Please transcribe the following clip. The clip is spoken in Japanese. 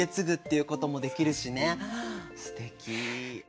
すてき！